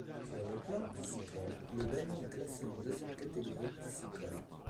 Sur le plan piscicole, le Banny est classé en deuxième catégorie piscicole.